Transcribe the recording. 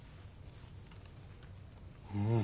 うん。